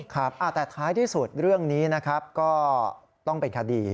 ครับแต่ท้ายที่สุดเรื่องนี้นะครับก็ต้องเป็นคดี